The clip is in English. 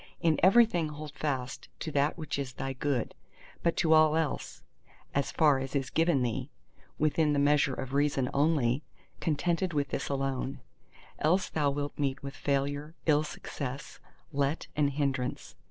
In everything hold fast to that which is thy Good—but to all else (as far as is given thee) within the measure of Reason only, contented with this alone. Else thou wilt meet with failure, ill success, let and hindrance.